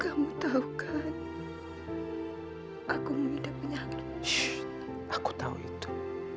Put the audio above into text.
kamu tidak perlu memikirkan itu